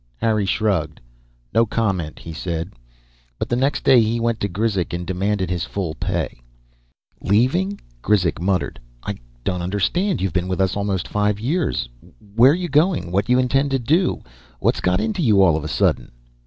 Harry shrugged. "No comment," he said. But the next day he went to Grizek and demanded his pay in full. "Leaving?" Grizek muttered. "I don't understand. You've been with us almost five years. Where you going, what you intend to do? What's got into you all of a sudden?"